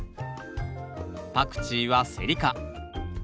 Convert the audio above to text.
パクチーはセリ科。